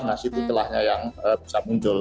nah situ celahnya yang bisa muncul